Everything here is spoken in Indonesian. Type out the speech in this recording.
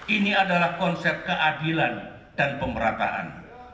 ini adalah konsep keadilan dan pemerataan